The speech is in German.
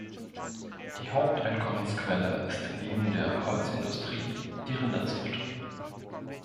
Die Haupteinkommensquelle ist neben der Holzindustrie die Rinderzucht.